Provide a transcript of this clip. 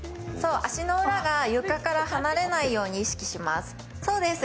足の裏が床から離れないように意識します。